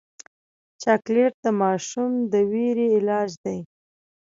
چاکلېټ د ماشوم د ویرې علاج دی.